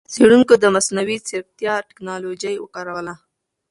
څېړونکو د مصنوعي ځېرکتیا ټکنالوجۍ وکاروله.